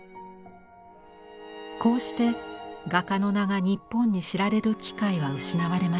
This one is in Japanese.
こうして画家の名が日本に知られる機会は失われました。